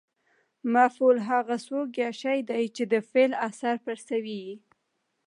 مفعول هغه څوک یا شی دئ، چي د فعل اثر پر سوی يي.